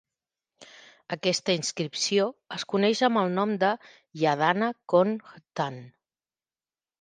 Aquesta inscripció es coneix amb el nom de "Yadana Kon Htan".